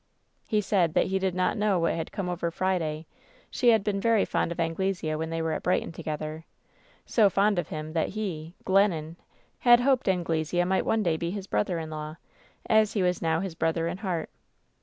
"He said that he did not know what had come over 'Friday.' She had been very fond of Anglesea when they were at Brighton together. So fond of him that he — Glennon — ^had hoped Anglesea mi^t one day be his brother in law, as he was now his brother in heart.